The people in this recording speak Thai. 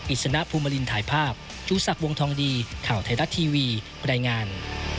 อิษณะภูมิลินถ่ายภาพจุศักร์วงทองดีข่าวไทยรักษณ์ทีวีบรรยายงาน